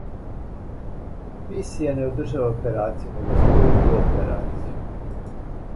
Мисија не одржава операцију, него спроводи операцију.